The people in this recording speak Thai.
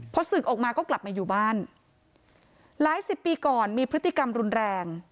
พอศึกออกมาก็กลับมาอยู่บ้านหลายสิบปีก่อนมีพฤติกรรมรุนแรง